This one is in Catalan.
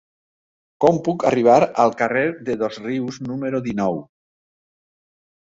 Com puc arribar al carrer de Dosrius número dinou?